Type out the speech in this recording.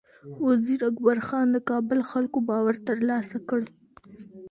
وزیر اکبر خان د کابل خلکو باور ترلاسه کړ.